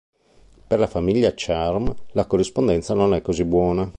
Per la famiglia "charm" la corrispondenza non è così buona.